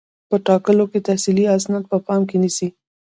په ټاکلو کې تحصیلي اسناد په پام کې نیسي.